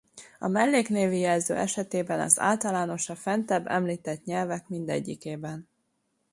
A melléknévi jelző esetében ez általános a fentebb említett nyelvek mindegyikében.